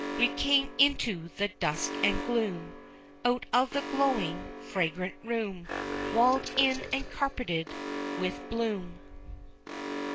We came into the dusk and gloom, Out of the glowing fragrant room, Walled in and carpeted with bloom.